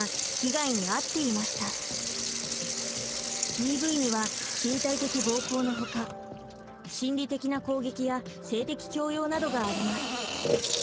ＤＶには身体的暴行のほか心理的な攻撃や性的強要などがあります。